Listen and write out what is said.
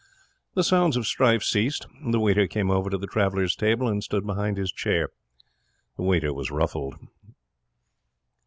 The sounds of strife ceased. The waiter came over to the traveller's table and stood behind his chair. He was ruffled.